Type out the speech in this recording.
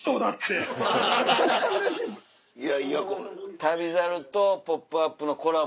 『旅猿』と『ポップＵＰ！』のコラボ。